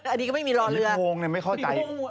อันนี้ก็ไม่มีรอเรืองไม่เข้าใจ